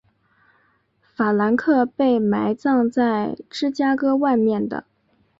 法兰克被埋葬在芝加哥外面的。